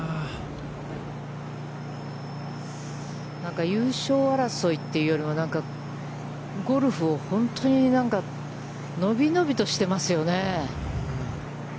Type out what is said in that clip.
何か優勝争いというよりも、何か、ゴルフを本当に伸び伸びとしていますよね。